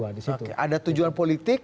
ada tujuan politik